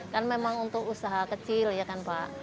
kan memang untuk usaha kecil ya kan pak